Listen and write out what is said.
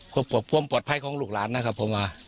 ความปลอดภัยของลูกหลานนะครับผม